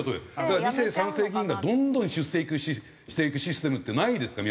だから２世３世議員がどんどん出世していくシステムってないですか？